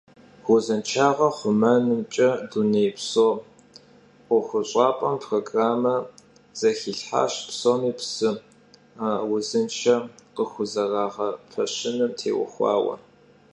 Vuzınşşağer xhumenımç'e dunêypso 'Uexuş'ap'em programme zexilhhaş psomi psı vuzınşşe khıxuzerağepeşınım têuxuaue.